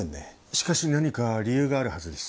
しかし何か理由があるはずです。